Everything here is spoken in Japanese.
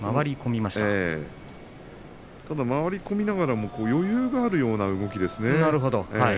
ただ、回り込みながらも余裕があるような動きですね。